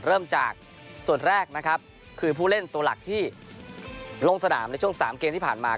เริ่มจากส่วนแรกนะครับคือผู้เล่นตัวหลักที่ลงสนามในช่วง๓เกมที่ผ่านมา